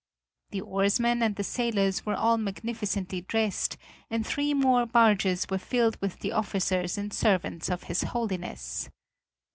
The oarsmen and the sailors were all magnificently dressed, and three more barges were filled with the officers and servants of His Holiness.